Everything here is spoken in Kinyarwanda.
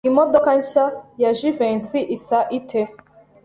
Imodoka nshya ya Jivency isa ite?